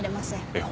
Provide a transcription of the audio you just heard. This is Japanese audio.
えっ？